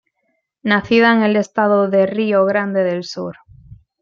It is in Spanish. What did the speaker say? Nacida en el estado de Río Grande del Sur.